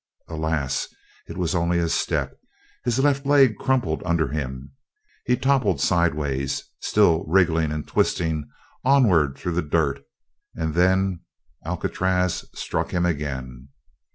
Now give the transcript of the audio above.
Alas, it was only a step! His left leg crumpled under him. He toppled sideways, still wriggling and twisting onwards through the dirt and then Alcatraz struck him again.